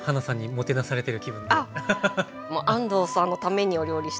もう安藤さんのためにお料理してますからね。